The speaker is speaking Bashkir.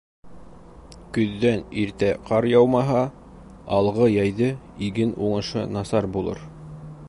Көҙҙән иртә ҡар яумаһа, алғы йәйҙе иген уңышы насар булыр.